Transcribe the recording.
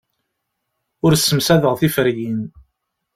Ur ssemsadeɣ tiferyin.